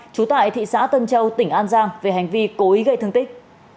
trú tại thị xã tân châu tỉnh an giang về hành vi cố ý gây thương tích